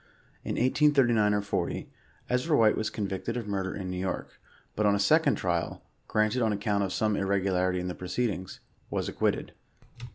In 1839 or 40, Ezra White was convicted of murder in New York, but on a second trial, granted on account of some irregularity in the proceedings. Was ac quitted.